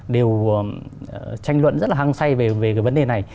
đều tranh luận rất là hăng say về cái vấn đề này